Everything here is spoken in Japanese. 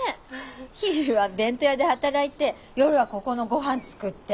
昼は弁当屋で働いて夜はここのごはん作って。